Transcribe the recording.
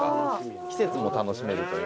季節も楽しめるという。